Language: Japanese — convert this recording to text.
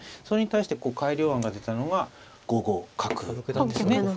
それに対して改良案が出たのが５五角ですね。